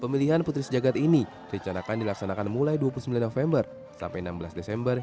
pemilihan putri sejagat ini dicadangkan dilaksanakan mulai dua puluh sembilan november sampai enam belas desember